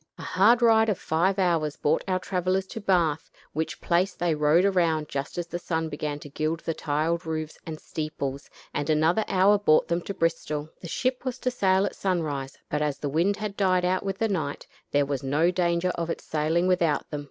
A hard ride of five hours brought our travelers to Bath, which place they rode around just as the sun began to gild the tile roofs and steeples, and another hour brought them to Bristol. The ship was to sail at sunrise, but as the wind had died out with the night, there was no danger of its sailing without them.